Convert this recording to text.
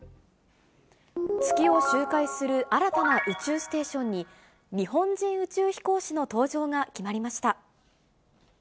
月を周回する新たな宇宙ステーションに、日本人宇宙飛行士の搭乗が決まりました。